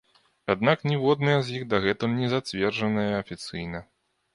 Аднак ніводная з іх дагэтуль не зацверджаная афіцыйна.